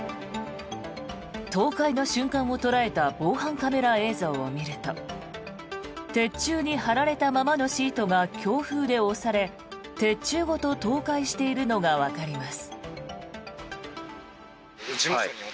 倒壊の瞬間を捉えた防犯カメラ映像を見ると鉄柱に張られたままのシートが強風で押され鉄柱ごと倒壊しているのがわかります。